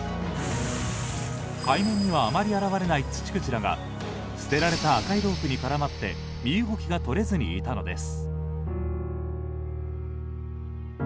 海面にはあまり現れないツチクジラが捨てられた赤いロープに絡まって身動きがとれずにいたのです。